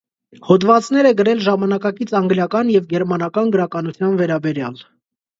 Հոդվածներ է գրել ժամանակակից անգլիական և գերմանական գրականության վերաբերյալ։